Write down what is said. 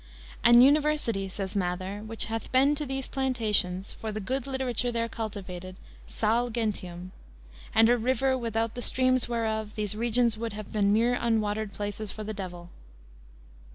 "An university," says Mather, "which hath been to these plantations, for the good literature there cultivated, _sal Gentium_~.~.~. and a river, without the streams whereof these regions would have been mere unwatered places for the devil."